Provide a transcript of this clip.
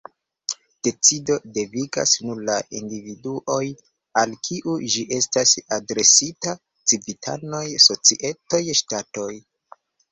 Decido devigas nur la "individuoj", al kiu ĝi estas adresita: civitanoj, societoj, ŝtatoj.